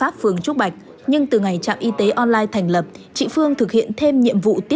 phường trúc bạch quận ba đình hà nội